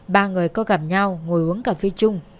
ba người có gặp nhau ngồi uống cà phê chung